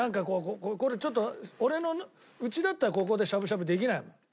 これちょっと俺の家だったらここでしゃぶしゃぶできないもん。